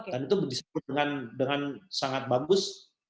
dan itu disambut dengan sangat bagus